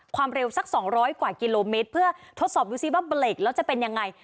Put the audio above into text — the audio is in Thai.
ความเร็วสัก๒๐๐กว่ากิโลเมตรเพื่อทดสอบดูซิว่าเบรกแล้วจะเป็นยังไง